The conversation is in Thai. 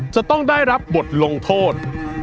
จะต้องได้รับบทลงโทษ